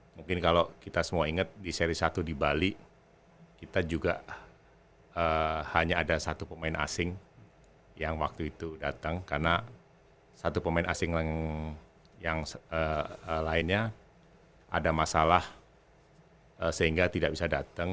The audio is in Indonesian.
mungkin kalau kita semua ingat di seri satu di bali kita juga hanya ada satu pemain asing yang waktu itu datang karena satu pemain asing yang lainnya ada masalah sehingga tidak bisa datang